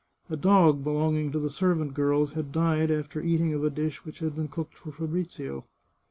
A dog belonging to the servant girls had died after eating of a dish which had been cooked for Fabrizio.